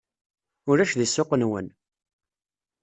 Ulac di ssuq-nwen!